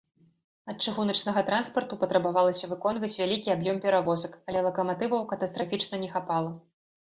Ад чыгуначнага транспарту патрабавалася выконваць вялікі аб'ём перавозак, але лакаматываў катастрафічна не хапала.